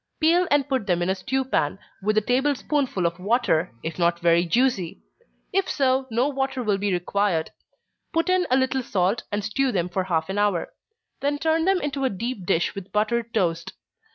Peel and put them in a stew pan, with a table spoonful of water, if not very juicy; if so, no water will be required. Put in a little salt, and stew them for half an hour; then turn them into a deep dish with buttered toast.